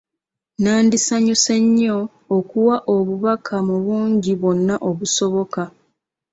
Nandisanyuse nnyo okuwa obubaka mu bungi bwonna obusoboka.